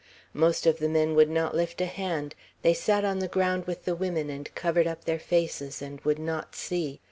Most of the men would not lift a hand. They sat on the ground with the women, and covered up their faces, and would not see.